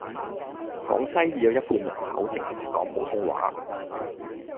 廣西已有一半人口淨係識講普通話